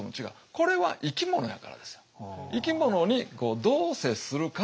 これは生き物やからですよ。